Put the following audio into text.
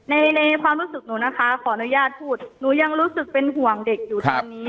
ในในความรู้สึกหนูนะคะขออนุญาตพูดหนูยังรู้สึกเป็นห่วงเด็กอยู่ตอนนี้